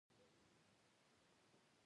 وروسته بیا له مسي لوښو څخه ډېره استفاده کېدله.